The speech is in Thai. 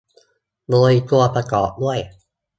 โดยควรประกอบด้วย